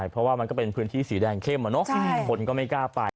เพราะว่ามันก็เป็นพื้นที่สีแดงเข้มคนก็ไม่กล้าไป